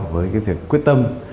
với cái việc quyết tâm